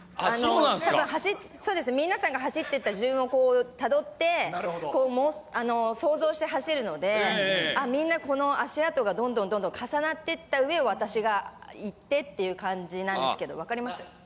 そうです、皆さんが走っていた順をたどって、想像して走るので、みんなこの足跡がどんどんどんどん重なってった上を私が行ってっていう感じなんですけど、分かります？